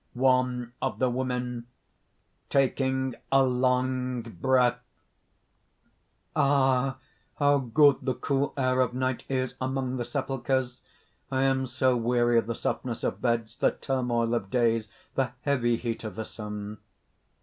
_ (One of the Women, taking a long breath:) "Ah! how good the cool air of night is, among the sepulchers! I am so weary of the softness of beds, the turmoil of days, the heavy heat of the sun!"